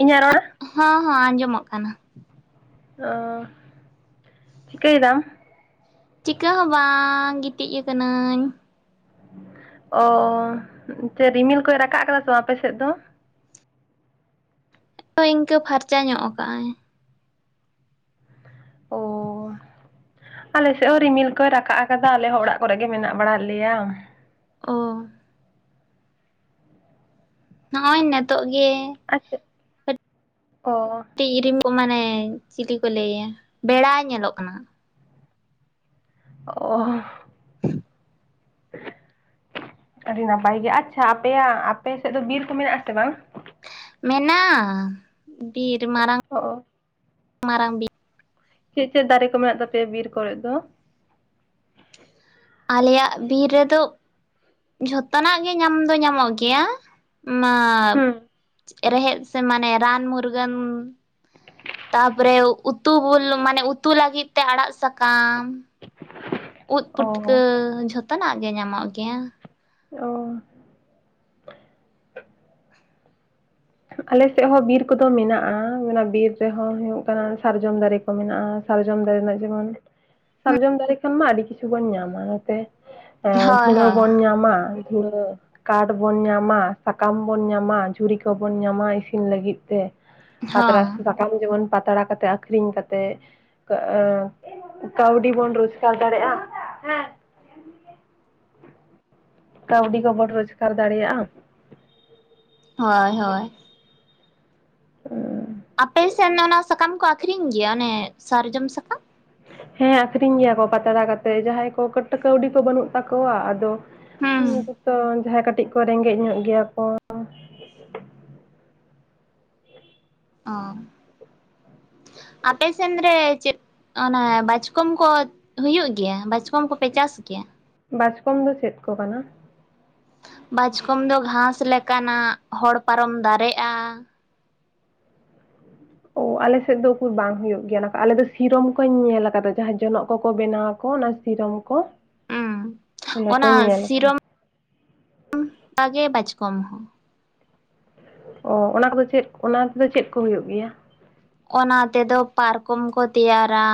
ᱤᱧᱟᱜ ᱨᱚᱲ ᱦᱚᱸ ᱦᱚᱸ ᱟᱸᱡᱚᱢᱚᱜ ᱠᱟᱱᱟ ᱚᱻ ᱪᱤᱠᱟᱹᱭ ᱫᱟᱢ ᱪᱤᱠᱟᱹᱻ ᱦᱚᱸᱻ ᱵᱟᱝ ᱜᱤᱛᱤᱡ ᱟᱠᱟᱱᱟᱹᱧ ᱚᱻ ᱪᱮ ᱨᱤᱢᱤᱞ ᱠᱚᱭ ᱨᱟᱠᱟᱵ ᱟᱠᱟᱫᱟ ᱥᱮ ᱵᱟᱝ ᱟᱯᱮ ᱥᱮᱫ ᱫᱚ ᱚᱻ ᱤᱱᱠᱟᱹ ᱯᱷᱟᱨᱪᱟ ᱧᱚᱜ ᱟᱠᱟᱜᱼᱟᱭ ᱚ ᱟᱞᱮ ᱥᱮᱫ ᱦᱚᱸ ᱨᱤᱢᱤᱞ ᱠᱚᱭ ᱨᱟᱠᱟᱵ ᱟᱠᱟᱫᱟ ᱟᱞᱮ ᱦᱚᱸ ᱚᱲᱟᱜ ᱠᱚᱨᱮ ᱜᱮ ᱢᱮᱱᱟᱜ ᱵᱟᱲᱟ ᱞᱮᱭᱟ ᱚ ᱱᱚᱜᱼᱚᱭ ᱱᱤᱛᱚᱜ ᱜᱮ ᱟᱪᱪᱷᱟ ᱚ ᱠᱟᱹᱴᱤᱡ ᱨᱤᱢ ᱠᱚ ᱢᱟᱱᱮ ᱪᱤᱞᱤ ᱠᱚ ᱞᱟᱹᱭᱟ ᱵᱮᱲᱟᱭ ᱧᱮᱞᱚᱜ ᱠᱟᱱᱟ ᱚ [unintelligible] ᱟᱹᱰᱤ ᱱᱟᱯᱟᱭ ᱜᱮ ᱟᱪᱪᱷᱟ ᱟᱯᱮᱭᱟᱜ ᱟᱯᱮ ᱥᱮᱫ ᱫᱚ ᱵᱤᱨ ᱠᱚ ᱢᱮᱱᱟᱜ ᱟᱥᱮ ᱵᱟᱝ ᱢᱮᱜᱼᱟ ᱵᱤᱨ ᱢᱟᱨᱟᱝ ᱚ ᱢᱟᱨᱟᱝ ᱵᱤᱨ ᱪᱮᱫ ᱪᱮᱫ ᱫᱟᱨᱮ ᱠᱚ ᱢᱮᱱᱟᱜ ᱛᱟᱯᱮᱭᱟ ᱵᱤᱨ ᱠᱚᱨᱮᱱ ᱫᱚ ᱟᱞᱮᱭᱟᱜ ᱵᱤᱨ ᱨᱮᱫᱚ ᱡᱷᱚᱛᱚᱱᱟᱜ ᱜᱮ ᱧᱟᱢ ᱫᱚ ᱧᱟᱢᱚᱜ ᱜᱮᱭᱟ ᱢᱟ ᱦᱩᱸ ᱨᱮᱦᱮᱫ ᱥᱮ ᱢᱟᱱᱮ ᱨᱟᱱ ᱢᱩᱨᱜᱟᱹᱱ ᱛᱟᱯᱚᱨᱮ ᱩᱛᱩ ᱵᱩᱞ ᱢᱟᱱᱮ ᱩᱛᱩ ᱞᱟᱹᱜᱤᱫ ᱛᱮ ᱟᱲᱟᱜ ᱥᱟᱠᱟᱢ ᱩᱫ ᱚ ᱯᱩᱴᱠᱟᱹ ᱡᱷᱚᱛᱚᱱᱟᱜ ᱜᱮ ᱧᱟᱢᱚᱜ ᱜᱮᱭᱟ ᱚ ᱟᱞᱮ ᱥᱮᱫ ᱦᱚᱸ ᱵᱤᱨ ᱠᱚᱫᱚ ᱢᱮᱱᱟᱜᱼᱟ ᱚᱱᱟ ᱵᱤᱨ ᱨᱮᱦᱚᱸ ᱦᱩᱭᱩᱜ ᱠᱟᱱᱟ ᱥᱟᱨᱡᱚᱢ ᱫᱟᱨᱮ ᱠᱚ ᱢᱮᱱᱟᱜᱼᱟ ᱥᱟᱨᱡᱚᱢ ᱫᱟᱨᱮ ᱨᱮᱱᱟᱜ ᱡᱮᱢᱚᱱ ᱥᱟᱨᱡᱚᱢ ᱫᱟᱨᱮ ᱠᱷᱟᱱ ᱢᱟ ᱟᱹᱰᱤ ᱠᱤᱪᱷᱩ ᱵᱚᱱ ᱧᱟᱢᱟ ᱱᱚᱛᱮ ᱦᱳᱭ ᱫᱷᱩᱲᱟᱹ ᱦᱳᱭ ᱵᱚᱱ ᱧᱟᱢᱟ ᱠᱟᱴ ᱵᱚᱱ ᱧᱟᱢᱟ ᱥᱟᱠᱟᱢ ᱵᱚᱱ ᱧᱟᱢᱟ ᱡᱷᱩᱨᱤ ᱵᱚᱱ ᱧᱟᱢᱟ ᱤᱥᱤᱱ ᱞᱟᱹᱜᱤᱫ ᱛᱮ ᱯᱟᱛᱲᱟ ᱦᱚᱸ ᱥᱟᱠᱟᱢ ᱡᱮᱢᱚᱱ ᱯᱟᱛᱲᱟ ᱠᱟᱛᱮ ᱟᱠᱷᱨᱤᱧ ᱠᱟᱛᱮᱫ ᱠᱟᱹᱣᱰᱤ ᱵᱚᱱ ᱨᱳᱡᱽᱜᱟᱨ ᱫᱟᱲᱮᱭᱟᱜᱼᱟ ᱠᱟᱹᱣᱰᱤ ᱠᱚᱵᱚᱱ ᱨᱳᱡᱽᱜᱟᱨ ᱫᱟᱲᱮᱭᱟᱜᱼᱟ ᱦᱳᱭ ᱦᱳᱭ ᱦ [unintelligible] ᱟᱯᱮ ᱥᱮᱫ ᱫᱚ ᱚᱱᱟ ᱥᱟᱠᱟᱢ ᱠᱚ ᱟᱠᱷᱨᱤᱧ ᱜᱮᱭᱟ ᱚᱱᱮ ᱥᱟᱨᱡᱚᱢ ᱥᱟᱠᱟᱢ ᱦᱮᱸ ᱟᱠᱷᱨᱤᱧ ᱜᱮᱭᱟ ᱠᱚ ᱯᱟᱛᱲᱟ ᱠᱟᱛᱮᱜ ᱡᱟᱦᱟᱸᱭ ᱠᱚ ᱠᱟᱹᱣᱰᱤ ᱠᱚ ᱵᱟᱹᱱᱩᱜ ᱛᱟᱠᱚᱣᱟ ᱟᱫᱚ ᱦᱩᱸ ᱠᱩᱛᱚ ᱡᱟᱦᱟᱸᱭ ᱠᱟᱹᱴᱤᱡ ᱠᱚ ᱨᱮᱸᱜᱮᱡ ᱧᱚᱜ ᱜᱮᱭᱟ ᱠᱚ ᱚ ᱟᱯᱮᱥᱮᱫ ᱨᱮ ᱪᱮᱫ ᱚᱱᱟ ᱵᱟᱪᱠᱚᱢ ᱠᱚ ᱦᱩᱭᱩᱜ ᱜᱮᱭᱟ ᱠᱚᱢ ᱠᱚᱯᱮ ᱪᱟᱥ ᱜᱮᱭᱟ ᱵᱟᱪᱠᱚᱢ ᱫᱚ ᱪᱮᱫ ᱠᱚ ᱠᱟᱱᱟ ᱵᱟᱪᱠᱚᱢ ᱫᱚ ᱜᱷᱟᱥ ᱞᱮᱠᱟᱱᱟᱜ ᱦᱚᱲ ᱯᱟᱨᱚᱢ ᱫᱟᱨᱮᱜᱼᱟ ᱚ ᱟᱞᱮᱥᱮᱫ ᱫᱚ ᱩᱠᱩᱨ ᱵᱟᱝ ᱦᱩᱭᱩᱜ ᱜᱮᱭᱟ ᱟᱞᱮ ᱫᱚ ᱥᱤᱨᱚᱢ ᱠᱚᱧ ᱧᱮᱞ ᱟᱠᱟᱫᱟ ᱡᱟᱦᱟᱸ ᱡᱚᱱᱚᱜ ᱠᱚᱠᱚ ᱵᱮᱱᱟᱣᱟ ᱠᱚ ᱚᱱᱟ ᱥᱤᱨᱚᱢ ᱠᱚ ᱦᱩᱸ ᱚᱱᱟ ᱠᱚᱧ ᱧᱮᱞ ᱠᱟᱫᱟ ᱵᱟᱜᱮ ᱵᱟᱪᱠᱚᱢ ᱦᱚᱸ ᱚ ᱚᱱᱟ ᱠᱚᱫᱚ ᱪᱮᱫ ᱚᱱᱟ ᱠᱚᱫᱚ ᱪᱮᱫ ᱠᱚ ᱦᱩᱭᱩᱜ ᱜᱮᱭᱟ ᱚᱱᱟ ᱛᱮᱫᱚ ᱯᱟᱨᱠᱚᱢ ᱠᱚ ᱛᱮᱭᱟᱨᱟ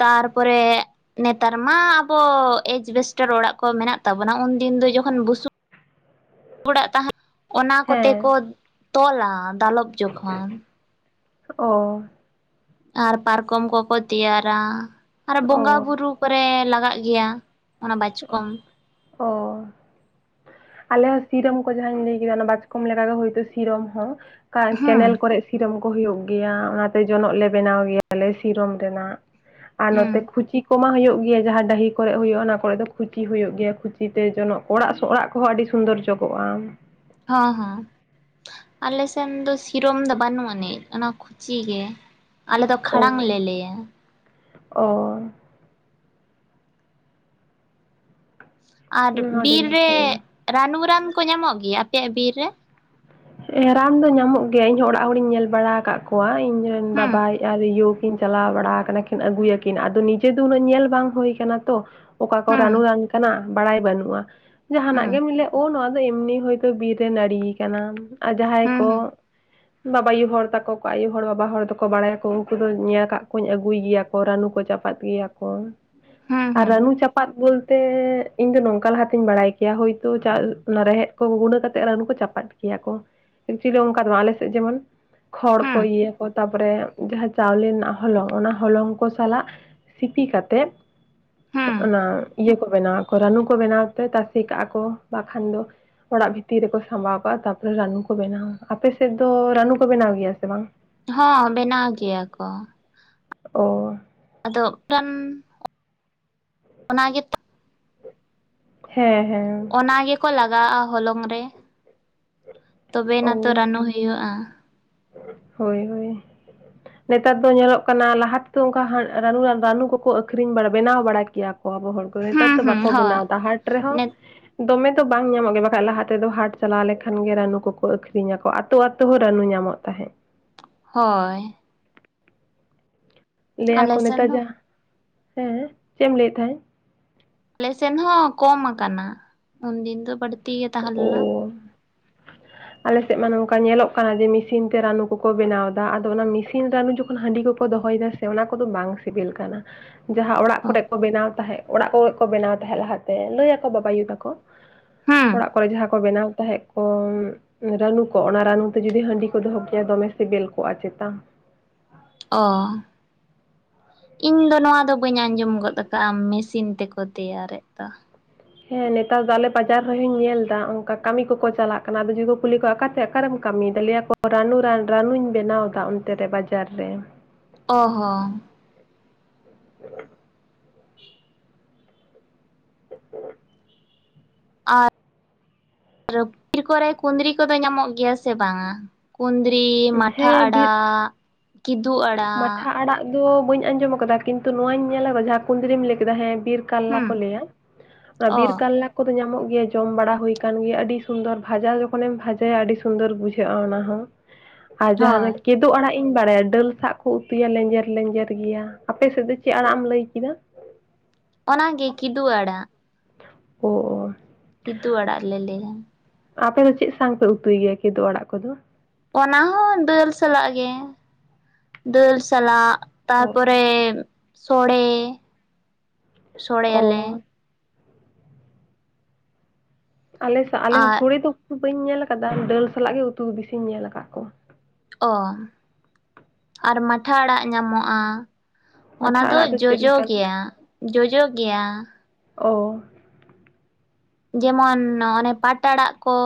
ᱛᱟᱨᱯᱚᱨᱮ ᱱᱮᱛᱟᱨ ᱢᱟ ᱟᱵᱚ ᱮᱡᱵᱮᱥᱴᱟᱨ ᱚᱲᱟᱜ ᱠᱚ ᱢᱮᱱᱟᱜ ᱛᱟᱵᱚᱱᱟ ᱩᱱᱫᱤᱱ ᱫᱚ ᱡᱚᱠᱷᱚᱱ ᱵᱩᱥᱩᱵ ᱦᱮ [unintelligible] ᱚᱲᱟᱜ ᱛᱟᱦᱮ ᱚᱱᱟ ᱠᱚᱛᱮ ᱠᱚ ᱦᱮᱸ ᱛᱚᱞᱟ ᱫᱟᱞᱚᱵ ᱡᱚᱠᱷᱚᱱ ᱚ ᱟᱨ ᱯᱟᱨᱠᱚᱢ ᱠᱚᱠᱚ ᱛᱮᱭᱟᱨᱟ ᱟᱨ ᱚ ᱵᱚᱸᱜᱟ ᱵᱩᱨᱩ ᱠᱚᱨᱮ ᱞᱟᱜᱟᱜ ᱜᱮᱭᱟ ᱚᱱᱟ ᱵᱟᱪᱠᱚᱢ ᱚ ᱟᱞᱮ ᱦᱚᱸ ᱥᱤᱨᱚᱢ ᱠᱚ ᱡᱟᱦᱟᱸᱧ ᱞᱟᱹᱭ ᱠᱮᱫᱟ ᱚᱱᱟ ᱵᱟᱪᱠᱚᱢ ᱞᱮᱠᱟ ᱜᱮ ᱦᱚᱭᱛᱳ ᱥᱤᱨᱚᱢ ᱦᱚᱸ ᱦᱩᱸ ᱠᱮᱱᱮᱞ ᱠᱚᱨᱮ ᱥᱤᱨᱚᱢ ᱠᱚ ᱦᱩᱭᱩᱜ ᱜᱮᱭᱟ ᱚᱱᱟᱛᱮ ᱡᱚᱱᱚᱜ ᱞᱮ ᱵᱮᱱᱟᱣ ᱜᱮᱭᱟᱞᱮ ᱥᱤᱨᱚᱢ ᱨᱮᱱᱟᱜ ᱟᱨ ᱦᱩᱸ ᱱᱚᱛᱮ ᱠᱷᱩᱪᱤ ᱠᱚᱢᱟ ᱦᱳᱭᱳᱜ ᱜᱮᱭᱟ ᱡᱟᱦᱟᱸ ᱰᱟᱹᱦᱤ ᱠᱚᱨᱮ ᱦᱩᱭᱩᱜ-ᱟ ᱚᱱᱟ ᱠᱚᱨᱮ ᱫᱚ ᱠᱷᱩᱪᱤ ᱦᱩᱭᱩᱜ ᱜᱮᱭᱟ ᱠᱤᱛᱟᱹ ᱡᱚᱱᱚᱜ ᱚᱲᱟᱜ ᱚᱲᱟᱜ ᱠᱚᱦᱚᱸ ᱟᱹᱰᱤ ᱥᱩᱱᱫᱚᱨ ᱡᱚᱜᱚᱜᱼᱟ ᱦᱟᱸ ᱦᱟᱸ ᱟᱞᱮ ᱥᱮᱱ ᱫᱚ ᱥᱤᱨᱚᱢ ᱫᱚ ᱵᱟᱹᱱᱩᱜ ᱟᱹᱱᱤᱡ ᱚᱱᱟ ᱠᱷᱩᱪᱤ ᱜᱮ ᱟᱞᱮ ᱫᱚ ᱠᱷᱟᱲᱟᱝ ᱞᱮ ᱞᱟᱹᱭᱟ ᱚᱻ ᱟᱨ ᱦᱚᱸ ᱟᱹᱰᱤ ᱵᱤᱨ ᱨᱮ ᱱᱟᱯᱟᱭ ᱜᱮ ᱨᱟᱱᱩᱨᱟᱱ ᱠᱚ ᱧᱟᱢᱚᱜ ᱜᱮᱭᱟ ᱟᱯᱮᱭᱟᱜ ᱵᱤᱨ ᱨᱮ ᱨᱟᱱ ᱫᱚ ᱧᱟᱢᱚᱜ ᱜᱮᱭᱟ ᱤᱧᱦᱚᱸ ᱚᱲᱟᱜ ᱦᱚᱲᱤᱧ ᱧᱮᱞ ᱵᱟᱲᱟ ᱟᱠᱟᱫ ᱠᱚᱣᱟ ᱤᱧ ᱨᱮᱱ ᱦᱩᱸ ᱵᱟᱵᱟᱭ ᱟᱨ ᱭᱩ ᱤᱱ ᱪᱟᱞᱟᱣ ᱵᱟᱲᱟ ᱠᱟᱱᱟ ᱠᱤᱱ ᱟᱹᱜᱩᱭᱟᱠᱤᱱ ᱟᱫᱚ ᱱᱤᱡᱮ ᱫᱚ ᱩᱱᱟᱹᱜ ᱧᱮᱞ ᱵᱟᱝ ᱦᱩᱭ ᱟᱠᱟᱱᱟ ᱛᱚ ᱚᱠᱟ ᱠᱚ ᱦᱩᱸ ᱨᱟᱱᱩ ᱨᱟᱱ ᱠᱟᱱᱟ ᱵᱟᱲᱟᱭ ᱵᱟᱹᱱᱩᱜᱼᱟ ᱦᱩᱸ ᱡᱟᱦᱟᱱᱟᱜ ᱜᱮᱢ ᱞᱟᱹᱭ ᱱᱚᱣᱟ ᱫᱚ ᱮᱢᱱᱤ ᱦᱚᱭᱛᱳ ᱵᱤᱨ ᱨᱮ ᱱᱟᱹᱲᱤᱭ ᱠᱟᱱᱟ ᱟᱨ ᱡᱟᱦᱟᱸᱭ ᱦᱩᱸ ᱦᱩᱸ ᱠᱚ ᱵᱟᱵᱟᱣᱳ ᱟᱭᱩ ᱦᱚᱲ ᱛᱟᱠᱚ ᱠᱚ ᱟᱭᱩ ᱦᱚᱲ ᱵᱟᱵᱟ ᱦᱚᱲ ᱫᱚᱠᱚ ᱵᱟᱲᱟᱭᱟᱠᱚ ᱩᱱᱠᱩ ᱫᱚ ᱧᱮᱞ ᱟᱠᱟᱫ ᱠᱚᱣᱟᱹᱧ ᱟᱹᱜᱩᱭ ᱜᱮᱭᱟ ᱠᱚ᱾ ᱨᱟᱱᱩ ᱠᱚ ᱪᱟᱯᱟᱫ ᱜᱮᱭᱟ ᱠᱚ ᱦᱩᱸ ᱟᱨ ᱦᱩᱸ ᱨᱟᱱᱩ ᱪᱟᱯᱟᱫ ᱪᱟᱯᱟᱫ ᱵᱩᱞ ᱛᱮᱻ ᱤᱧ ᱫᱚ ᱱᱚᱝᱠᱟ ᱞᱟᱦᱟ ᱛᱤᱧ ᱵᱟᱲᱟᱭ ᱠᱮᱭᱟ ᱦᱚᱭᱛᱚ ᱚᱱᱟ ᱨᱮᱦᱮᱫᱽ ᱠᱚᱠᱚ ᱜᱩᱸᱫᱟᱹ ᱠᱟᱛᱮ ᱪᱟᱯᱟᱫ ᱜᱮᱭᱟ ᱠᱚ ᱚᱱᱠᱟ ᱫᱚ ᱵᱟᱱᱜ ᱵᱤᱥᱤ ᱫᱚ ᱟᱞᱮᱥᱮᱫ ᱡᱮᱢᱚᱱ ᱠᱷᱚᱲ ᱦᱩᱸ ᱠᱚ ᱤᱭᱟᱹ ᱟᱠᱚ ᱛᱟᱯᱚᱨᱮ ᱡᱟᱦᱟᱸ ᱪᱟᱣᱞᱮ ᱨᱮᱱᱟᱜ ᱦᱚᱞᱚᱝ ᱚᱱᱟ ᱦᱚᱞᱚᱝ ᱠᱚ ᱥᱟᱞᱟᱜ ᱥᱤᱯᱤ ᱠᱟᱛᱮᱜ ᱦᱩᱸ ᱚᱱᱟ ᱤᱭᱟᱹ ᱠᱚ ᱵᱮᱱᱟᱣᱟ ᱨᱟᱱᱩ ᱠᱚ ᱵᱮᱱᱟᱣ ᱛᱮ ᱛᱟᱥᱮ ᱠᱟᱜᱼᱟ ᱠᱚ ᱵᱟᱠᱷᱟᱱ ᱫᱚ ᱚᱲᱟᱜ ᱵᱷᱤᱛᱤᱨ ᱨᱮᱠᱚ ᱥᱟᱢᱵᱟᱣ ᱠᱟᱜᱼᱟ ᱛᱟᱨᱯᱚᱨᱮ ᱨᱟᱹᱱᱩ ᱠᱚ ᱵᱮᱱᱟᱣᱟ ᱟᱯᱮ ᱥᱮᱫ ᱫᱚ ᱨᱟᱹᱱᱩ ᱠᱚ ᱵᱮᱱᱟᱣ ᱜᱮᱭᱟ ᱥᱮ ᱵᱟᱝ ᱦᱚᱸ ᱵᱮᱱᱟᱣ ᱜᱮᱭᱟ ᱠᱚ ᱚᱻ ᱟᱫᱚ ᱮ ᱠᱷᱟᱱ ᱚᱱᱟᱜᱮ [inaudible] ᱦᱮᱸ ᱦᱮᱸ ᱚᱱᱟ ᱜᱮᱠᱚ ᱞᱟᱜᱟᱣᱟᱜᱼᱟ ᱦᱚᱞᱚᱝ ᱨᱮ ᱛᱚᱵᱮᱱᱟ ᱛᱚ ᱚ ᱨᱟᱱᱩ ᱦᱩᱭᱩᱜᱼᱟ᱾ ᱦᱳᱭ ᱦᱳᱭ ᱱᱮᱛᱟᱨ ᱫᱚ ᱧᱮᱞᱚᱜ ᱠᱟᱱᱟ ᱞᱟᱦᱟ ᱛᱮᱫᱚ ᱚᱱᱠᱟ ᱨᱟᱱᱩ ᱨᱟᱹᱱᱩ ᱠᱚᱠᱚ ᱟᱹᱠᱷᱨᱤᱧ ᱵᱟᱲᱟ ᱵᱮᱱᱟᱣ ᱵᱟᱲᱟ ᱠᱮᱭᱟ ᱠᱚ᱾ ᱟᱵᱚ ᱦᱚᱲ ᱠᱚ ᱱᱮᱛᱟᱨ ᱦᱩᱸ ᱫᱚ ᱦᱩᱸ ᱵᱟᱠᱚ ᱦᱳᱭ ᱵᱮᱱᱟᱣᱫᱟ ᱦᱟᱴ ᱨᱮᱦᱚᱸ ᱱᱤᱛ ᱫᱚᱢᱮ ᱫᱚ ᱵᱟᱝ ᱧᱟᱢᱚᱜ ᱜᱮᱭᱟ ᱵᱟᱠᱷᱟᱡ ᱫᱚ ᱞᱟᱦᱟ ᱛᱮᱫᱚ ᱦᱟᱴ ᱪᱟᱞᱟᱣ ᱞᱮᱠᱷᱟᱱ ᱜᱮ ᱨᱟᱹᱱᱩ ᱠᱚᱠᱚ ᱟᱹᱠᱷᱨᱤᱧᱟᱠᱚ ᱟᱛᱳ ᱟᱛᱳ ᱦᱚᱸ ᱨᱟᱹᱱᱩ ᱧᱟᱢᱚᱜ ᱛᱟᱦᱮᱸᱫ ᱦᱚᱭ ᱟᱞᱮ ᱞᱟᱹᱭᱟᱠᱚ ᱥᱮᱱ ᱱᱮᱛᱟᱨ ᱡᱟ ᱦᱚᱸ ᱦᱮᱸ ᱪᱮᱫ ᱮᱢ ᱞᱟᱹᱭᱮᱫ ᱛᱟᱦᱮᱸᱱ ᱟᱞᱮ ᱥᱮᱱ ᱦᱚᱸ ᱠᱚᱢ ᱟᱠᱟᱱᱟ ᱩᱱᱫᱤᱱ ᱫᱚ ᱵᱟᱹᱲᱛᱤ ᱜᱮ ᱛᱟᱦᱮᱸ ᱚ ᱞᱮᱱᱟ ᱟᱞᱮ ᱥᱮᱫ ᱢᱟ ᱱᱚᱝᱠᱟ ᱧᱮᱞᱚᱜ ᱠᱟᱱᱟ ᱡᱮ ᱢᱤᱥᱤᱱ ᱛᱮ ᱨᱟᱱᱩ ᱠᱚᱠᱚ ᱵᱮᱱᱟᱣᱫᱟ ᱟᱫᱚ ᱚᱱᱟ ᱢᱮᱥᱤᱱ ᱨᱟᱹᱱᱟᱱᱩ ᱡᱚᱠᱷᱚᱱ ᱦᱟᱺᱰᱤ ᱠᱚᱠᱚ ᱫᱚᱦᱚᱭᱮᱫᱟ ᱚᱱᱟ ᱠᱚᱫᱚ ᱵᱟᱝ ᱥᱤᱵᱤᱞ ᱠᱟᱱᱟ ᱡᱟᱦᱟᱸ ᱚᱲᱟᱜ ᱚ ᱠᱚᱨᱮᱜ ᱠᱚ ᱵᱮᱱᱟᱣ ᱛᱟᱦᱮᱸᱜ ᱚᱲᱟᱜ ᱠᱚᱨᱮ ᱠᱚ ᱵᱮᱱᱟᱣ ᱛᱟᱦᱮᱸᱜ ᱞᱟᱦᱟᱛᱮ ᱞᱟᱹᱭ ᱟᱠᱚ ᱵᱟᱵ ᱟᱭᱳ ᱛᱟᱠᱚ ᱦᱟᱸ ᱚᱲᱟᱜ ᱠᱚᱨᱮ ᱡᱟᱦᱟᱸ ᱠᱚ ᱵᱮᱱᱟᱣ ᱛᱟᱦᱮᱸᱫ ᱠᱚ ᱨᱟᱹᱱᱩ ᱠᱚᱜ ᱚᱱᱟ ᱨᱟᱱᱩ ᱛᱮ ᱡᱩᱫᱤ ᱦᱟᱺᱰᱤ ᱠᱚ ᱫᱚᱦᱚ ᱠᱮᱭᱟ ᱫᱚᱢᱮ ᱥᱤᱵᱤᱞ ᱠᱚᱜᱼᱟ ᱪᱮᱛᱟ ᱚ ᱤᱧ ᱫᱚ ᱱᱚᱣᱟ ᱫᱚ ᱵᱟᱹᱧ ᱟᱸᱡᱚᱢ ᱜᱚᱫ ᱟᱠᱟᱫᱼᱟ ᱢᱮᱥᱤᱱ ᱛᱮᱠᱚ ᱛᱮᱭᱟᱨᱮᱫ ᱫᱚ ᱦᱮᱸ ᱱᱮᱛᱟᱨ ᱫᱚ ᱟᱞᱮ ᱵᱟᱡᱟᱨ ᱨᱮᱦᱚᱧ ᱧᱮᱞ ᱮᱫᱟ ᱚᱱᱠᱟ ᱠᱟᱹᱢᱤ ᱠᱚᱠᱚ ᱪᱟᱞᱟᱜ ᱠᱟᱱᱟ ᱟᱫᱚ ᱡᱩᱫᱤ ᱠᱩᱞᱤ ᱠᱚᱣᱟ ᱟᱠᱟᱛᱮ ᱚᱠᱟᱨᱮᱢ ᱠᱟᱹᱢᱤᱭᱮᱫᱟ ᱨᱟᱱᱩ ᱨᱟᱱ ᱨᱟᱱᱩᱧ ᱵᱮᱱᱟᱣ ᱮᱫᱟ ᱚᱱᱛᱮ ᱨᱮ ᱵᱟᱡᱟᱨ ᱨᱮ ᱚ ᱦᱚᱸ ᱟᱨ ᱵᱤᱨ ᱠᱚᱨᱮ ᱠᱩᱸᱫᱽᱨᱤ ᱠᱚᱫᱚ ᱧᱟᱢᱚᱜ ᱜᱮᱭᱟ ᱥᱮ ᱵᱟᱝᱟ [inaudible] ᱠᱩᱸᱫᱽᱨᱤ ᱢᱟᱴᱷᱟ ᱦᱮᱸ ᱵᱤᱨ ᱟᱲᱟᱜ ᱠᱤᱫᱩ ᱟᱲᱟᱜ ᱢᱟᱴᱷᱟ ᱟᱲᱟᱜ ᱫᱚ ᱵᱟᱹᱧ ᱟᱸᱡᱚᱢ ᱟᱠᱟᱫᱟ ᱠᱤᱱᱛᱩ ᱱᱚᱣᱟᱧ ᱧᱮᱞᱼᱟ ᱡᱟᱦᱟᱸ ᱠᱩᱸᱫᱽᱨᱤᱢ ᱞᱟᱹᱭ ᱠᱮᱫᱟ ᱦᱮᱸ ᱵᱤᱨ ᱠᱟᱨᱞᱟ ᱦᱩᱸ ᱠᱚ ᱞᱟᱹᱭᱟ ᱚᱱᱟ ᱚ ᱵᱤᱨ ᱠᱟᱨᱞᱟ ᱠᱚ ᱫᱚ ᱧᱟᱢᱚᱜ ᱜᱮᱭᱟ ᱡᱚᱢ ᱵᱟᱲᱟ ᱦᱩᱭ ᱠᱟᱱ ᱜᱮᱭᱟ ᱟᱹᱰᱤ ᱥᱩᱱᱫᱚᱨ ᱵᱷᱟᱡᱟ ᱡᱚᱠᱷᱚᱱᱮᱢ ᱵᱷᱟᱡᱟᱭᱟ ᱟᱹᱰᱤ ᱥᱩᱱᱫᱚᱨ ᱵᱩᱡᱷᱟᱹᱜᱼᱟ ᱚᱱᱟ ᱦᱚᱸ ᱟᱨ ᱦᱳᱭ ᱡᱟᱦᱟᱱᱟᱜ ᱠᱮᱫᱩ ᱟᱲᱟᱜ ᱤᱧ ᱵᱟᱲᱟᱭᱟ ᱰᱟᱹᱞ ᱥᱟᱵ ᱠᱚ ᱩᱛᱩᱭᱟ ᱞᱮᱸᱡᱮᱨ ᱞᱮᱸᱡᱮᱨ ᱜᱮᱭᱟ ᱟᱯᱮ ᱥᱮᱫ ᱫᱚ ᱪᱮᱫ ᱟᱲᱟᱜ ᱮᱢ ᱞᱟᱹᱭ ᱠᱮᱫᱟ ᱚᱱᱟᱜᱮ ᱠᱤᱫᱩ ᱟᱲᱟᱜ ᱚ ᱠᱤᱫᱩᱜ ᱟᱲᱟᱜ ᱞᱮ ᱞᱮᱭ ᱟᱯᱮ ᱫᱚ ᱪᱮᱫ ᱥᱟᱝ ᱯᱮ ᱩᱛᱩᱭ ᱜᱮᱭᱟ ᱠᱤᱫᱩ ᱚᱲᱟᱜ ᱠᱚᱫᱚ? ᱚᱱᱟ ᱦᱚᱸ ᱫᱟᱹᱞ ᱥᱟᱞᱟᱜ ᱜᱮ ᱫᱟᱹᱞ ᱥᱟᱞᱟᱜ᱾ ᱚ ᱛᱟᱨᱯᱚᱨᱮ ᱥᱚᱲᱮ ᱥᱚᱲᱮ ᱭᱟᱞᱮ᱾ ᱟᱞᱮ ᱥᱟᱜ ᱟᱞᱮ ᱦᱚᱸ ᱟᱨ ᱥᱚᱲᱮ ᱫᱚ ᱵᱟᱹᱧ ᱧᱮᱞ ᱟᱠᱟᱫᱟ ᱫᱟᱹᱞ ᱥᱟᱞᱟᱜ ᱜᱮ ᱩᱛᱩ ᱵᱤᱥᱤᱧ ᱧᱮᱞ ᱠᱟᱜ ᱠᱚᱣᱟ᱾ ᱚ ᱟᱨ ᱢᱟᱴᱷᱟ ᱟᱲᱟᱜ ᱧᱟᱢᱚᱜᱼᱟ᱾ ᱚᱱᱟ ᱢᱟᱴᱷᱟ ᱫᱚ ᱟᱲᱟᱜ ᱪᱮᱫ ᱡᱚᱡᱚ ᱞᱮᱠᱟᱱᱟ ᱜᱮᱭᱟ ᱡᱚᱡᱚ ᱜᱮᱭᱟ᱾ ᱚ ᱡᱮᱢᱚᱱ ᱚᱱᱮ ᱯᱟᱴ ᱟᱲᱟᱜ ᱠᱚ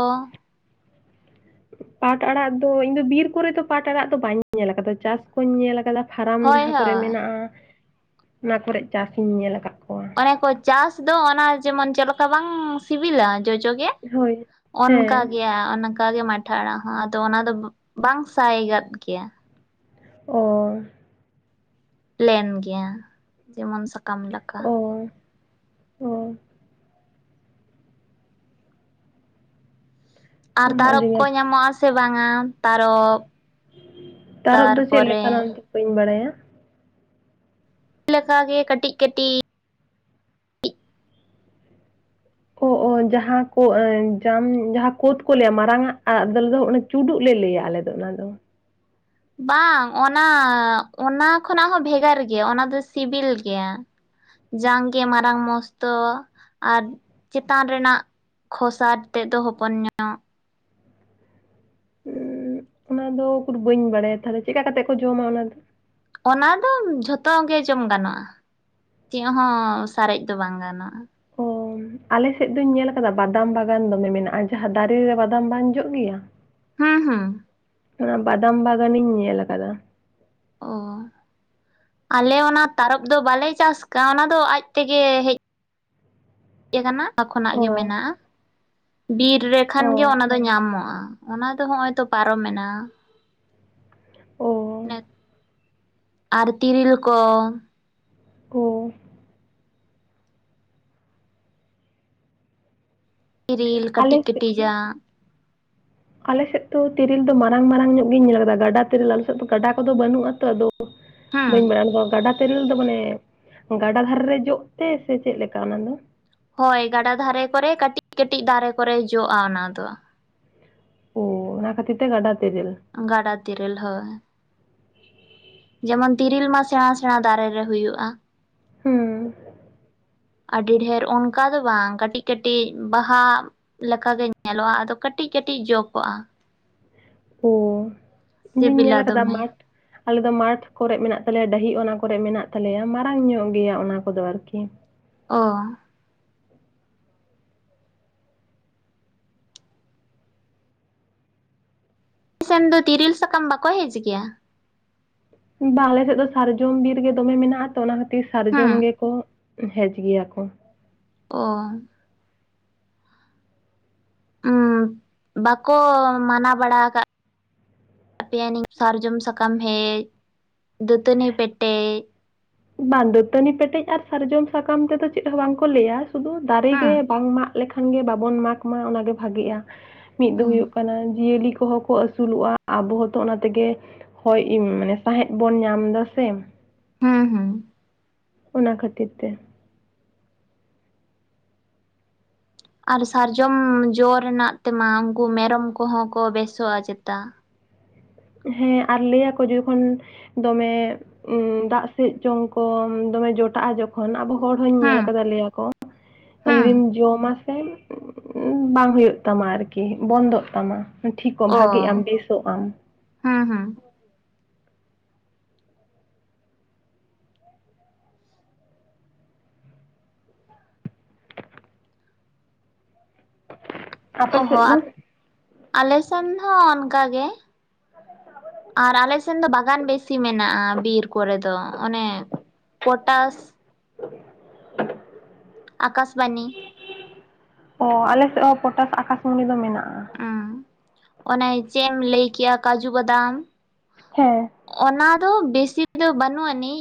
ᱯᱟᱴ ᱟᱲᱟᱜ ᱫᱚ ᱤᱧ ᱫᱚ ᱵᱤᱨ ᱠᱚᱨᱮ ᱫᱚ ᱯᱟᱴ ᱟᱲᱟᱜ ᱫᱚ ᱵᱟᱹᱧ ᱧᱮᱞ ᱟᱠᱟᱫᱟ ᱪᱟᱥ ᱠᱚᱧ ᱧᱮᱞ ᱟᱠᱟᱫᱟ᱾ ᱯᱷᱟᱨᱟᱢ ᱦᱳᱭ ᱡᱟᱦᱟᱸ ᱠᱚᱨᱮ ᱦᱳᱭ ᱢᱮᱱᱟᱜᱼᱟ ᱚᱱᱟ ᱠᱚᱨᱮ ᱪᱟᱥ ᱤᱧ ᱧᱮᱞ ᱟᱠᱟᱫ ᱠᱚᱣᱟ᱾ ᱚᱱᱮ ᱠᱚ ᱪᱟᱥ ᱫᱚ ᱚᱱᱟ ᱡᱮᱢᱚᱱ ᱪᱮᱫ ᱞᱮᱠᱟ ᱵᱟᱝ ᱥᱤᱵᱤᱞᱟ ᱡᱚᱡᱚ ᱜᱮ ᱦᱳᱭ ᱚᱱᱠᱟ ᱦᱮᱸ ᱜᱮᱭᱟ ᱚᱱᱠᱟ ᱚᱱᱠᱟ ᱜᱮ ᱢᱟᱴᱷᱟ ᱟᱲᱟᱜ ᱦᱚᱸ ᱟᱫᱚ ᱚᱱᱟ ᱫᱚ ᱵᱟᱝ ᱥᱟᱭ ᱜᱟᱫ ᱜᱮᱭᱟ᱾ ᱚ ᱯᱮᱞᱮᱱ ᱜᱮᱭᱟ ᱡᱮᱢᱚᱱ ᱥᱟᱠᱟᱢ ᱞᱮᱠᱟ᱾ ᱚ ᱚ ᱟᱨ ᱛᱟᱨᱚ ᱟᱹᱰᱤ ᱠᱚ ᱧᱟᱢᱚᱜ ᱟᱥᱮ ᱵᱟᱝᱼᱟ ᱛᱟᱨᱚᱯ ᱛᱟᱨᱚᱯ ᱫᱚ ᱪᱮᱫ ᱞᱮᱠᱟᱱᱟᱜ ᱵᱟᱹᱧ ᱵᱟᱲᱟᱭᱟ᱾ ᱜᱮ ᱞᱮᱠᱟ ᱜᱮ ᱠᱟᱹᱴᱤᱡᱽ ᱠᱟᱹᱴᱤᱡᱽ ᱡᱟᱦᱟᱸ ᱠᱚ ᱡᱟᱢ ᱡᱟᱦᱟᱸ ᱠᱳᱫ ᱠᱚ ᱞᱟᱹᱭᱟ ᱢᱟᱨᱟᱝ ᱟᱜ ᱫᱟᱹᱞ ᱫᱚ ᱪᱩᱰᱩᱜ ᱞᱮ ᱞᱟᱹᱭᱟ ᱟᱞᱮ ᱫᱚ ᱚᱱᱟᱫᱚ᱾ ᱵᱟᱝ ᱚᱱᱟ ᱚᱱᱟ ᱠᱷᱚᱱᱟᱜ ᱦᱚᱸ ᱵᱷᱮᱜᱟᱨ ᱜᱮᱭᱟ ᱚᱱᱟ ᱫᱚ ᱥᱤᱵᱤᱞ ᱜᱮᱭᱟ᱾ ᱡᱟᱝ ᱜᱮ ᱢᱟᱨᱟᱝ ᱢᱚᱥᱛᱚ ᱟᱨ ᱪᱮᱛᱟᱱ ᱨᱮᱱᱟᱜ ᱠᱷᱚᱥᱟᱨ ᱛᱮᱫ ᱫᱚ ᱦᱚᱯᱚᱱ ᱧᱚᱸᱜ᱾ ᱩ ᱚᱱᱟ ᱫᱚ ᱩᱠᱩᱨ ᱵᱟᱹᱧ ᱵᱟᱲᱟᱭᱟ ᱛᱟᱦᱞᱮ ᱪᱮᱠᱟ ᱠᱟᱛᱮᱜ ᱠᱚ ᱡᱚᱢᱟ ᱚᱱᱟ ᱫᱚ ᱚᱱᱟ ᱫᱚ ᱡᱷᱚᱛᱚ ᱜᱮ ᱡᱚᱢ ᱜᱟᱱᱚᱜᱼᱟ ᱪᱮᱫ ᱦᱚᱸ ᱥᱟᱨᱮᱡᱽ ᱫᱚ ᱵᱟᱝ ᱜᱟᱱᱚᱜᱼᱟ᱾ ᱚ ᱟᱞᱮ ᱥᱮᱫ ᱫᱚᱧ ᱧᱮᱞ ᱟᱠᱟᱫᱟ ᱵᱟᱫᱟᱢ ᱵᱟᱜᱟᱱ ᱫᱚᱢᱮ ᱢᱮᱱᱟᱜᱼᱟ ᱡᱟᱦᱟᱸ ᱫᱟᱨᱮ ᱨᱮ ᱵᱟᱫᱟᱢ ᱵᱟᱝ ᱡᱚᱜ ᱜᱮᱭᱟ᱾ ᱦᱩᱸ ᱦᱩᱸ ᱚᱱᱟ ᱵᱟᱫᱟᱢ ᱵᱟᱜᱟᱱ ᱤᱧ ᱧᱮᱞ ᱟᱠᱟᱫᱟ᱾ ᱚ ᱟᱞᱮ ᱚᱱᱟ ᱛᱟᱨᱚᱯ ᱫᱚ ᱵᱟᱞᱮ ᱪᱟᱥ ᱟᱠᱟᱜ ᱚᱱᱟ ᱫᱚ ᱟᱡᱽ ᱛᱮᱜᱮ ᱦᱮᱡᱽ ᱦᱮ ᱟᱠᱟᱱᱟ ᱛᱚᱠᱷᱚᱱᱟᱜ ᱚ ᱜᱮ ᱢᱮᱱᱟᱜᱼᱟ᱾ ᱵᱤᱨ ᱨᱮᱠᱷᱟᱱ ᱚ ᱜᱮ ᱚᱱᱟ ᱫᱚ ᱧᱟᱢᱚᱜᱼᱟ ᱚᱱᱟ ᱫᱚ ᱦᱚᱜᱼ ᱚᱭ ᱛᱚ ᱯᱟᱨᱚᱢᱮᱱᱟ᱾ ᱚ ᱟᱨ ᱛᱤᱨᱤᱞ ᱠᱚ ᱠᱚ ᱛᱤᱨᱤᱞ ᱟᱞᱮ ᱠᱟᱹᱴᱤᱡᱽ ᱥᱮᱫ ᱠᱟᱹᱴᱤᱡᱽᱼᱡᱟᱜ᱾ ᱟᱞᱮ ᱥᱮᱫ ᱫᱚ ᱛᱤᱨᱤᱞ ᱫᱚ ᱢᱟᱨᱟᱝ ᱢᱟᱨᱟᱝ ᱧᱚᱜ ᱜᱤᱧ ᱧᱮᱞ ᱟᱠᱟᱫᱟ᱾ ᱜᱟᱰᱟ ᱛᱤᱨᱤᱞ ᱟᱞᱮ ᱥᱮᱫ ᱫᱚ ᱜᱟᱰᱟ ᱠᱚᱫᱚ ᱵᱟᱹᱱᱩᱜ ᱟᱛᱚ ᱟᱫᱚ ᱦᱩᱸ ᱵᱟᱹᱧ ᱵᱟᱲᱟᱭᱼᱟ ᱚᱱᱟ ᱫᱚ ᱜᱟᱰᱟ ᱛᱮᱨᱤᱞ ᱫᱚ ᱢᱟᱱᱮ ᱜᱟᱰᱟ ᱫᱷᱟᱨᱮ ᱨᱮ ᱡᱚᱜ ᱛᱮ ᱥᱮ ᱪᱮᱫ ᱞᱮᱠᱟ ᱚᱱᱟ ᱫᱚ? ᱦᱳᱭ ᱜᱟᱰᱟ ᱫᱷᱟᱨᱮ ᱠᱚᱨᱮ ᱠᱟᱹᱴᱤᱡᱽ ᱠᱟᱹᱴᱤᱡᱽ ᱫᱷᱟᱨᱮ ᱠᱚᱨᱮ ᱡᱚᱜᱼᱟ ᱚᱱᱟ ᱫᱚ ᱾ ᱚ ᱚᱱᱟ ᱠᱷᱟᱹᱛᱤᱨ ᱛᱮ ᱜᱟᱰᱟ ᱛᱤᱨᱤᱞ᱾ ᱜᱟᱰᱟ ᱛᱤᱨᱤᱞ ᱦᱳᱭ᱾ ᱡᱮᱢᱚᱱ ᱛᱤᱨᱤᱞ ᱢᱟ ᱥᱮᱬᱟ ᱥᱮᱬᱟ ᱫᱟᱨᱮ ᱨᱮ ᱦᱩᱭᱩᱜᱼᱟ᱾ ᱦᱩᱸ ᱟᱹᱰᱤ ᱰᱷᱮᱨ ᱚᱱᱠᱟ ᱫᱚ ᱵᱟᱝ, ᱠᱟᱹᱴᱤᱡᱽ ᱠᱟᱹᱴᱤᱡᱽ ᱵᱟᱦᱟ ᱞᱮᱠᱟ ᱜᱮ ᱧᱮᱞᱚᱜᱼᱟ ᱾ ᱟᱫᱚ ᱠᱟᱹᱴᱤᱡ ᱠᱟᱹᱴᱤᱡ ᱡᱚ ᱠᱚᱜᱼᱟ᱾ ᱚ, ᱤᱧ ᱫᱩᱧ ᱧᱮᱞ ᱥᱤᱵᱤᱞᱟ ᱟᱠᱟᱫᱟ ᱫᱚᱢᱮ ᱢᱟᱴᱷ ᱟᱞᱮ ᱫᱚ ᱢᱟᱴᱷ ᱠᱚᱨᱮ ᱢᱮᱱᱟᱜ ᱛᱟᱞᱮᱭᱟ ᱰᱟᱹᱦᱤ ᱚᱱᱟ ᱠᱚᱨᱮ ᱢᱮᱱᱟᱜ ᱛᱟᱞᱮᱭᱟ᱾ ᱢᱟᱨᱟᱝ ᱧᱚᱜ ᱜᱮᱭᱟ ᱚᱱᱟ ᱠᱚᱫᱚ ᱟᱨ ᱠᱤ᱾ ᱚ ᱥᱮᱱ ᱫᱚ ᱛᱤᱨᱤᱞ ᱥᱟᱠᱟᱢ ᱵᱟᱠᱚ ᱦᱮᱡ ᱜᱮᱭᱟ? ᱵᱟᱝ, ᱟᱞᱮ ᱥᱮᱫ ᱫᱚ ᱥᱟᱨᱡᱚᱢ ᱵᱤᱨ ᱜᱮ ᱫᱚᱢᱮ ᱢᱮᱱᱟᱜᱼᱟ ᱛᱚ᱾ ᱚᱱᱟ ᱠᱷᱟᱹᱛᱤᱨ ᱦᱩᱸ ᱥᱟᱨᱡᱚᱢ ᱜᱮᱠᱚ ᱦᱮᱡ ᱜᱮᱭᱟ ᱠᱚ᱾ ᱚ [unintelligible] ᱵᱟᱠᱚ ᱢᱟᱱᱟ ᱵᱟᱲᱟ ᱠᱟᱜ [unintelligible] ᱥᱟᱨᱡᱚᱢ ᱥᱟᱠᱟᱢ ᱦᱮᱡ, ᱫᱟᱹᱛᱟᱹᱱᱤ ᱯᱮᱴᱮᱡ᱾ ᱵᱟᱝ, ᱫᱟᱹᱛᱟᱹᱱᱤ ᱯᱮᱴᱮᱡ ᱟᱨ ᱥᱟᱨᱡᱚᱢ ᱥᱟᱠᱟᱢ ᱛᱮᱫᱚ ᱪᱮᱫ ᱦᱚᱸ ᱵᱟᱝ ᱠᱚ ᱞᱟᱹᱭᱼᱟ ᱾ ᱥᱩᱫᱩ ᱫᱟᱨᱮ ᱦᱩᱸ ᱜᱮ ᱵᱟᱝ ᱢᱟᱜ ᱞᱮᱠᱷᱟᱱ ᱜᱮ ᱵᱟᱵᱚᱱ ᱢᱟᱜᱽ ᱢᱟ ᱚᱱᱟᱜ ᱜᱮ ᱵᱷᱟᱜᱮᱜᱼᱟ᱾ ᱢᱤᱫ ᱫᱚ ᱦᱩᱸ ᱦᱩᱭᱩᱜ ᱠᱟᱱᱟ ᱡᱤᱭᱟᱹᱞᱤ ᱠᱚᱦᱚᱸ ᱠᱚ ᱟᱹᱥᱩ ᱟᱹᱥᱩᱞᱚᱜᱼᱟ ᱾ ᱟᱵᱚ ᱦᱚᱸᱛᱚ ᱚᱱᱟ ᱛᱮᱜᱮ ᱦᱚᱭ ᱢᱟᱱᱮ ᱥᱟᱸᱦᱮᱫ ᱵᱚᱱ ᱧᱟᱢ ᱫᱟ ᱥᱮ᱾ ᱦᱩᱸ ᱦᱩᱸ ᱚᱱᱟ ᱠᱷᱟᱹᱛᱤᱨ ᱛᱮ᱾ ᱟᱨ ᱥᱟᱨᱡᱚᱢ ᱡᱚ ᱨᱮᱱᱟᱜ ᱛᱮᱢᱟ ᱩᱱᱠᱩ ᱢᱮᱨᱚᱢ ᱠᱚᱦᱚᱸ ᱠᱚ ᱵᱮᱥᱚᱜᱼᱟ ᱪᱮᱛᱟ᱾ ᱦᱮᱸ ᱟᱨ ᱞᱟᱹᱭ ᱟᱠᱚ ᱡᱚᱠᱷᱚᱱ ᱫᱚᱢᱮ ᱫᱟᱜ ᱥᱮᱫ ᱡᱚᱝ ᱠᱚ ᱫᱚᱢᱮ ᱡᱚᱴᱟᱜᱼᱟ ᱡᱚ ᱠᱷᱚᱱ ᱟᱵᱚ ᱦᱚᱲ ᱦᱚᱧ ᱧᱮᱞ ᱦᱩᱸ ᱟᱠᱟᱫᱟ ᱞᱟᱹᱭ ᱟᱠᱚ᱾ ᱡᱩᱫᱤᱢ ᱦᱩᱸ ᱡᱚᱢ ᱥᱮ, ᱵᱟᱝ ᱦᱳᱭᱳᱜ ᱛᱟᱢᱟ ᱟᱨ ᱠᱤ ᱵᱚᱱᱫᱚᱜ ᱛᱟᱢᱟ᱾ ᱴᱷᱤᱠᱼᱟᱢ ᱚ ᱵᱷᱟᱜᱮᱜ ᱟᱢ, ᱵᱮᱥᱚᱜ ᱟᱢ᱾ ᱦᱩᱸ ᱦᱩᱸ ᱟᱯᱮ ᱚ ᱥᱮᱫ ᱦᱚᱸ, ᱫᱚ ᱟᱞᱮ ᱥᱮᱱ ᱦᱚᱸ ᱚᱱᱠᱟ ᱜᱮ᱾ ᱟᱨ ᱟᱞᱮ ᱥᱮᱱ ᱫᱚ ᱵᱟᱜᱟᱱ ᱵᱮᱥᱤ ᱢᱮᱱᱟᱜᱼᱟ ᱵᱤᱨ ᱠᱚᱨᱮ ᱫᱚ ᱾ ᱚᱱᱮ ᱯᱚᱴᱟᱥ ᱟᱠᱟᱥᱵᱟᱱᱤ ᱚᱸ ᱟᱞᱮ ᱥᱮᱜ ᱦᱚᱸ ᱯᱚᱴᱟᱥ, ᱟᱠᱟᱥᱢᱩᱱᱤ ᱫᱚ ᱢᱮᱱᱟᱜᱼᱟ᱾ ᱩᱸᱜ, ᱚᱱᱮ ᱪᱮᱫ ᱮᱢ ᱞᱟᱹᱭ ᱠᱮᱭᱟ ᱠᱟᱡᱩ ᱵᱟᱫᱟᱢ᱾ ᱦᱮᱸ ᱚᱱᱟ ᱫᱚ ᱵᱮᱥᱤ ᱫᱚ ᱵᱟᱹᱱᱩᱜ ᱟᱹᱱᱤᱡ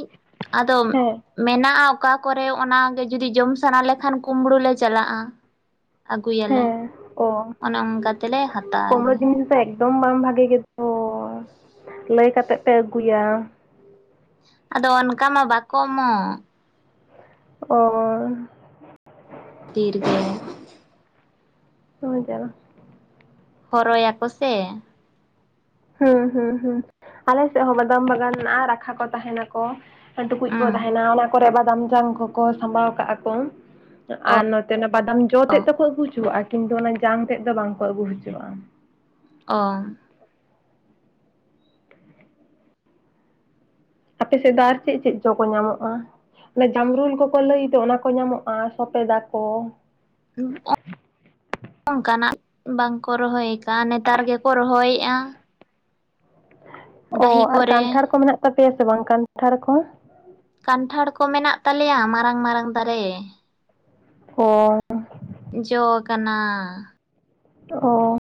ᱟᱫᱚᱢ ᱦᱮᱸ ᱢᱮᱱᱟᱜᱼᱟ ᱚᱠᱟ ᱠᱚᱨᱮ ᱾ ᱚᱱᱟ ᱜᱮ ᱡᱩᱫᱤ ᱡᱚᱢ ᱥᱟᱱᱟ ᱞᱮᱠᱷᱟᱱ ᱠᱩᱢᱵᱩᱲᱩ ᱞᱮ ᱪᱟᱞᱟᱜᱼᱟ᱾ ᱟᱹᱜᱩᱭᱟᱞᱮ ᱦᱮᱸ ᱚ ᱚᱱᱮ ᱚᱱᱠᱟ ᱛᱮᱞᱮ ᱦᱟᱛᱟᱣ ᱜᱮᱭᱟ᱾ [unintelligible] ᱮᱠᱫᱚᱢ ᱵᱟᱝ ᱵᱷᱟᱜᱮ ᱜᱮᱫᱚ᱾ ᱞᱟᱹᱭ ᱠᱟᱛᱮ ᱯᱮ ᱟᱹᱜᱩᱭᱟ᱾ ᱟᱫᱚ ᱚᱱᱠᱟ ᱢᱟ ᱵᱟᱠᱚ ᱮᱢᱚᱜ᱾ ᱚᱸ ᱛᱤᱨᱜᱮ [unintelligible] ᱳ ᱡᱟᱞᱟ᱾ ᱦᱚᱨᱚᱭᱟ ᱠᱚ ᱥᱮ᱾ ᱦᱩᱸ ᱦᱩᱸ ᱦᱩᱸ ᱟᱞᱮ ᱥᱮᱫ ᱦᱚᱸ ᱵᱟᱫᱟᱢ ᱵᱟᱜᱟᱱ ᱢᱮᱱᱟᱜᱼᱟ ᱨᱟᱠᱷᱟ ᱠᱚ ᱛᱟᱦᱮᱸᱱᱟᱠᱚ᱾ ᱴᱩᱠᱩᱡ ᱠᱚ ᱩᱸ ᱛᱟᱦᱮᱱᱟ ᱚᱱᱟ ᱠᱚᱨᱮ [unintelligible] ᱡᱟᱝ ᱠᱚᱠᱚ ᱥᱟᱢᱵᱟᱣ ᱠᱟᱜᱼᱟ ᱠᱚ᱾ ᱚ ᱟᱨ ᱱᱚᱛᱮ ᱚᱱᱟ ᱵᱟᱫᱟᱢ ᱡᱚ ᱛᱮᱫ ᱫᱚ ᱠᱚ ᱟᱹᱜᱩ ᱦᱚᱪᱚᱣᱟᱜᱼᱟ᱾ ᱠᱤᱱᱛᱩ ᱚᱱᱟ ᱡᱟᱝ ᱛᱮᱫ ᱫᱚ ᱵᱟᱝᱠᱚ ᱟᱹᱜᱩ ᱦᱚᱪᱚᱣᱟᱜ-ᱟ᱾ ᱚ ᱟᱯᱮ ᱥᱮᱫ ᱫᱚ ᱟᱨ ᱪᱮᱫ ᱪᱮᱫ ᱡᱚ ᱠᱚ ᱧᱟᱢᱚᱜᱼᱟ? ᱮ ᱡᱟᱢᱨᱩᱞ ᱠᱚᱠᱚ ᱞᱟᱹᱭᱛᱮ ᱚᱱᱟ ᱠᱚ ᱧᱟᱢᱚᱜᱼᱟ ᱥᱚᱵᱮᱫᱟ ᱠᱚ? [unintelligible] ᱚᱱᱠᱟᱱᱟᱜ ᱵᱟᱝᱠᱚ ᱨᱚᱦᱚᱭ ᱠᱟᱫᱼᱟ, ᱱᱮᱛᱟᱨ ᱜᱮᱠᱚ ᱨᱚᱦᱚᱭᱮᱫᱼᱟ᱾ ᱚ ᱟᱨ ᱠᱚᱨᱮ ᱠᱟᱱᱴᱷᱟᱲ ᱠᱚ ᱢᱮᱱᱟᱜ ᱛᱟᱯᱮᱭᱟ ᱥᱮ ᱵᱟᱝ ᱠᱟᱱᱴᱷᱟᱲ ᱠᱚ? ᱠᱟᱱᱴᱷᱟᱲ ᱠᱚ ᱢᱮᱱᱟᱜ ᱛᱟᱞᱮᱭᱟ ᱢᱟᱨᱟᱝ ᱢᱟᱨᱟᱝ ᱫᱟᱨᱮ᱾ [unintelligible] ᱡᱚ ᱠᱟᱱᱟ ᱚ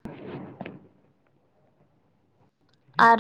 ᱟᱨ